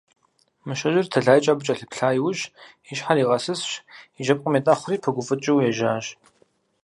Мыщэжьыр тэлайкӀэ абы кӀэлъыплъа иужь, и щхьэр игъэсысщ, и жьэпкъым етӀэхъури пыгуфӀыкӀыу ежьэжащ.